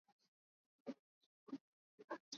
ulewala mambo haya ya victor ambusu hayo